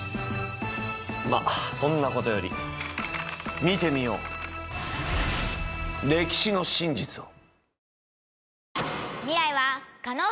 まぁそんなことより見てみよう歴史の真実を。